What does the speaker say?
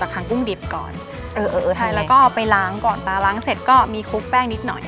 อ่ะแล้วก็ไปล้างก่อนล้างเสร็จก็ดินพรุ่งนี้หน่อย